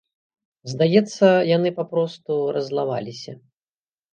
Здаецца, яны папросту раззлаваліся.